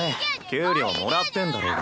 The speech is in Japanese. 給料もらってんだろうが。